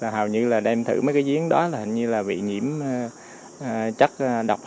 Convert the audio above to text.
hầu như là đem thử mấy cái giếng đó là hình như là bị nhiễm chất độc